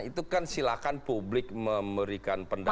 itu kan silahkan publik memberikan pendapat